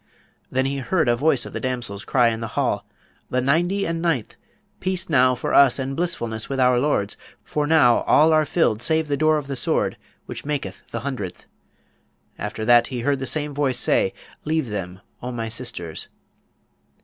Then he heard a voice of the damsels cry in the hall, 'The ninety and ninth! Peace now for us and blissfulness with our lords, for now all are filled save the door of the Sword, which maketh the hundredth.' After that he heard the same voice say, 'Leave them, O my sisters!'